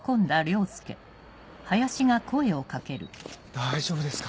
大丈夫ですか？